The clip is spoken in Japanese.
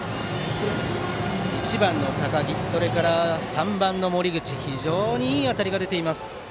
１番の高木、３番の森口非常にいい当たりが出ています。